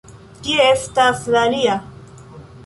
Kie estas la alia?